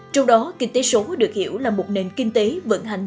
trong đó kinh tế số được hiểu là một nền kinh tế vận hành